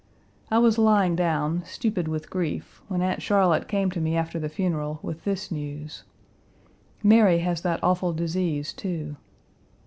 I was lying down, stupid with grief when Aunt Charlotte came to me after the funeral with this news: 'Mary has that awful disease, too.'